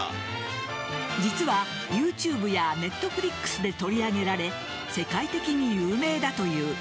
実はＹｏｕＴｕｂｅやＮｅｔｆｌｉｘで取り上げられ世界的に有名だという。